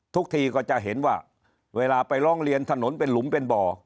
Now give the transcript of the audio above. ทุกทีก็จะเห็นว่าเวลาไปร้องเรียนถนนเป็นหลุมเป็นบ่อ